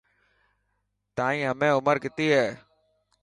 تائن همي عمر ڪتي هي.